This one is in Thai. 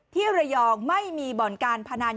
ที่ระยองไม่มีบ่อนการพนัน